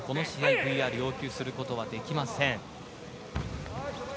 ＶＲを要求することはできません。